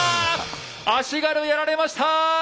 足軽やられました！